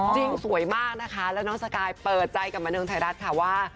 จริงสวยมากนะคะแล้วน้องสกายเปิดใจกับบันเทิงไทยรัฐค่ะว่า